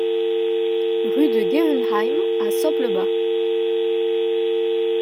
Rue de Guewenheim à Soppe-le-Bas